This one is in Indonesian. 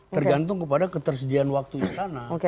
tergantung kepada ketersediaan waktu istana